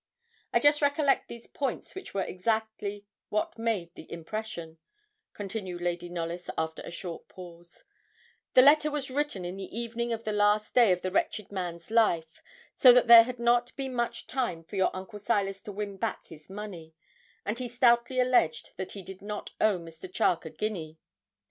'I just recollect these points which were exactly what made the impression,' continued Lady Knollys, after a short pause; 'the letter was written in the evening of the last day of the wretched man's life, so that there had not been much time for your uncle Silas to win back his money; and he stoutly alleged that he did not owe Mr. Charke a guinea.